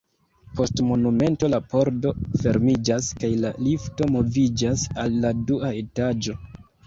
Post momento la pordo fermiĝas kaj la lifto moviĝas al la dua etaĝo.